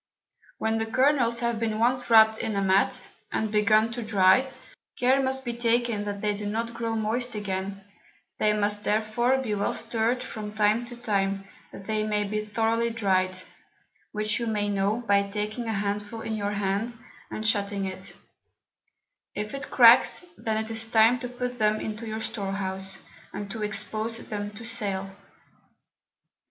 When the Kernels have been once wrapped in a Mat, and begun to dry, care must be taken that they do not grow moist again; they must therefore be well stirr'd from time to time, that they may be thorowly dry'd, which you may know by taking a Handful in your Hand, and shutting it: if it cracks, then it is time to put them into your Store house, and to expose them to sale.